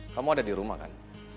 kamu ada di rumah kan